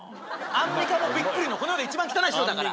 アンミカもびっくりのこの世でいちばん汚い白だから。